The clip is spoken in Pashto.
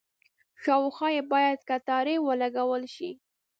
شاوخوا یې باید کټارې ولګول شي.